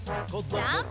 ジャンプ！